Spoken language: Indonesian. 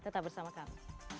tetap bersama kami